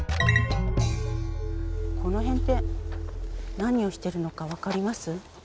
この辺って何をしてるのか分かります？